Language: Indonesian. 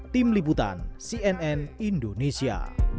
tim liputan cnn indonesia